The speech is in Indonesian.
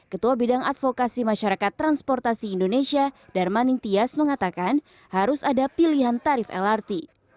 ketua bidang advokasi masyarakat transportasi indonesia darmaning tias mengatakan harus ada pilihan tarif lrt